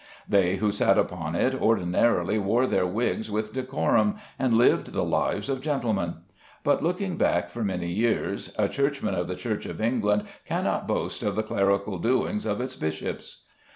They who sat upon it ordinarily wore their wigs with decorum and lived the lives of gentlemen; but, looking back for many years, a churchman of the Church of England cannot boast of the clerical doings of its bishops.